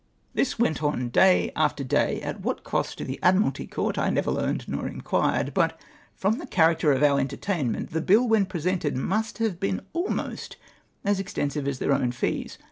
This went on day after day, at what cost to the Admiralty Court I never learned nor inquked ; but, from the character of our entertainment, the bill when pre sented must have been almost as extensive as their own fees.